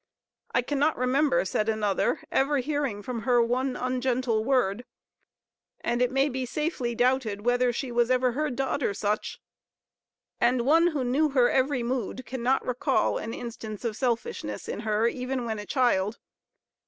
"I cannot remember," said another, "ever hearing from her one ungentle word;" and it may be safely doubted whether she was ever heard to utter such. And one who "knew her every mood" cannot recall an instance of selfishness in her, even when a child.